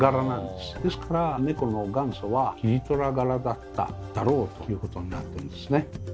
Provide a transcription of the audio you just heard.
ですから猫の元祖はキジトラ柄だっただろうということになってるんですね。